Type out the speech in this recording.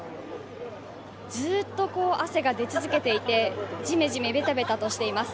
ずっと汗が出続けていて、ジメジメ、ベタベタとしています。